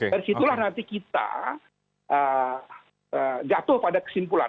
dari situlah nanti kita jatuh pada kesimpulan